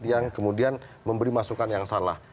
yang kemudian memberi masukan yang salah